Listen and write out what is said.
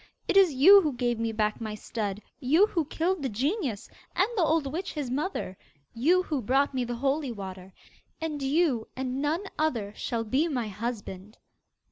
It is you who gave me back my stud; you who killed the genius, and the old witch his mother; you who brought me the holy water. And you, and none other, shall be my husband.